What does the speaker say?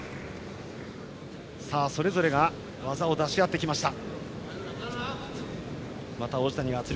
それぞれが技を出し合ってきた。